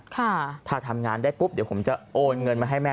ถ้าทำงานได้ปุ๊บเดี๋ยวผมจะโอนเงินมาให้แม่